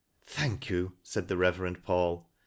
" Thank you," said the Reverend Paul.